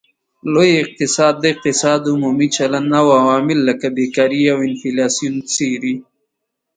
لوی اقتصاد د اقتصاد عمومي چلند او عوامل لکه بیکاري او انفلاسیون څیړي